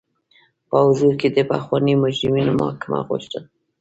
په حضور کې د پخوانیو مجرمینو محاکمه غوښتل.